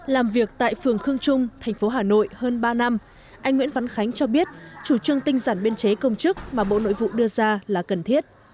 làm việc tại phường khương trung thành phố hà nội hơn ba năm anh nguyễn văn khánh cho biết chủ trương tinh giản biên chế công chức mà bộ nội vụ đưa ra là cần thiết